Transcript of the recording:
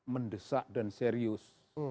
mendesak dan serius